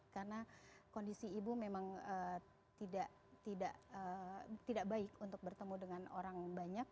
karena kondisi ibu memang tidak baik untuk bertemu dengan orang banyak